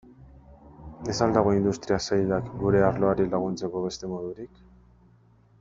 Ez al dago Industria Sailak gure arloari laguntzeko beste modurik?